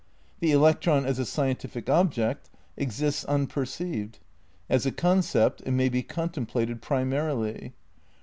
The electron as a scientific object exists unperceived; as a concept it may be contemplated primarily.